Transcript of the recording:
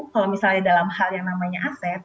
kalau misalnya dalam hal yang namanya aset